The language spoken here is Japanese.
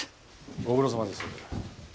ご苦労さまです。